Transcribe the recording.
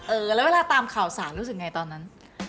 เออแล้วเวลาตามข่าวสารรู้สึกไงตอนนั้น